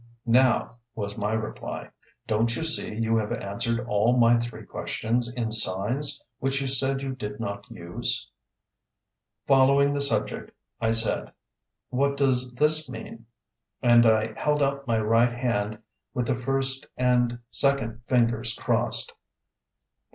"Now," was my reply, "don't you see you have answered all my three questions in signs which you said you did not use?" Following the subject, I said: "What does this mean?" and held up my right hand with the first and second fingers crossed.